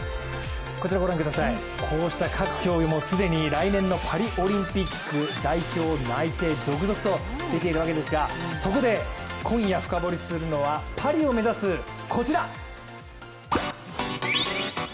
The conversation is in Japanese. こちら、ご覧ください、こうした各競技も既に来年のパリオリンピック代表内定続々と出ているわけですがそこで今夜深掘りするのはパリを目指すこちら。